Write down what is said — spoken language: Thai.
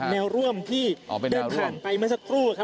เป็นแนวร่วมที่เดินผ่านไปเมื่อสักครู่ครับ